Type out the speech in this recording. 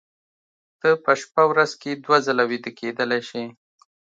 ته په شپه ورځ کې دوه ځله ویده کېدلی شې